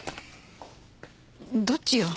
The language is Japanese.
どっちよ。